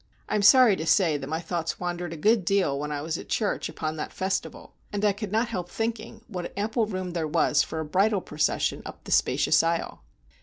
I am sorry to say that my thoughts wandered a good deal when I was at church upon that festival, and I could not help thinking what ample room there was for a bridal procession up the spacious aisle.